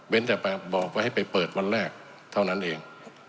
เป็นแต่บอกว่าให้ไปเปิดวันแรกเท่านั้นเอง